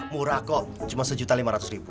murah kok cuma sejuta lima ratus ribu